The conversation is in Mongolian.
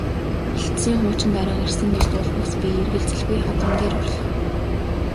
Хэлтсийн хуучин дарга ирсэн гэж дуулмагц би эргэлзэлгүй хадам дээр орлоо.